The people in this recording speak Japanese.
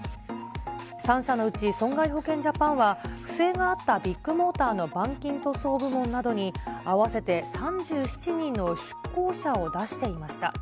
３社のうち損害保険ジャパンは、不正があったビッグモーターの板金塗装部門などに、合わせて３７人の出向者を出していました。